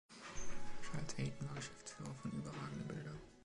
Charles Eyton war Geschäftsführer von Überragende Bilder.